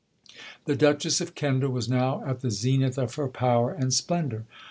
The Duchess of Kendal was now at the zenith of her power and splendour.